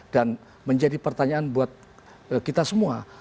dan menjadi pertanyaan buat kita semua